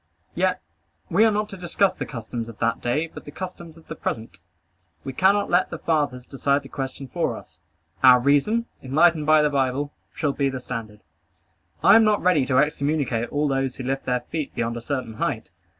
Yet we are not to discuss the customs of that day, but the customs of the present. We cannot let the fathers decide the question for us. Our reason, enlightened by the Bible, shall be the standard. I am not ready to excommunicate all those who lift their feet beyond a certain height.